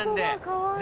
かわいい。